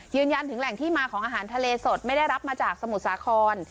ยืนยันถึงแหล่งที่มาของอาหารทะเลสดไม่ได้รับมาจากสมุทรสาคร